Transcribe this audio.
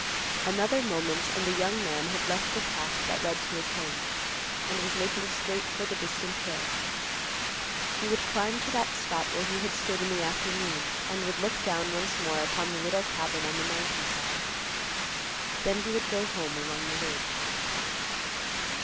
Another moment, and the young man had left the path that led to his home, and was making straight for the distant hill. He would climb to that spot where he had stood in the afternoon, and would look down once more upon the little cabin on the mountain side. Then he would go home along the ridge.